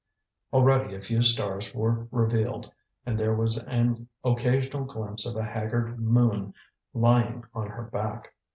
Already a few stars were revealed, and there was an occasional glimpse of a haggard moon lying on her back.